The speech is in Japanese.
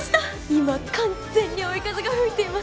今完全に追い風が吹いています。